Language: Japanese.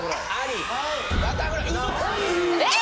えっ！？